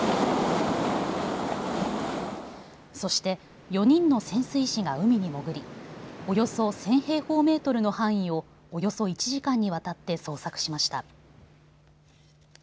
そして４人の潜水士が海に潜りおよそ１０００平方メートルの範囲をおよそ１時間にわたって捜索しました。